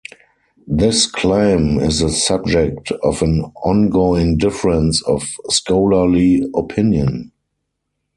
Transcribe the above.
This claim is the subject of an ongoing difference of scholarly opinion.